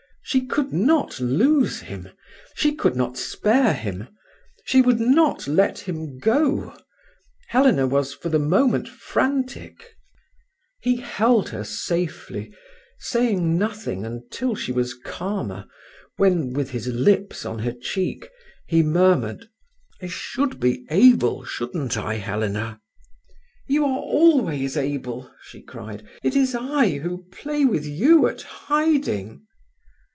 She could not lose him, she could not spare him. She would not let him go. Helena was, for the moment, frantic. He held her safely, saying nothing until she was calmer, when, with his lips on her cheek, he murmured: "I should be able, shouldn't I, Helena?" "You are always able!" she cried. "It is I who play with you at hiding."